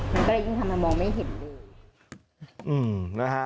มันก็เลยยิ่งทำให้มองไม่เห็นเลย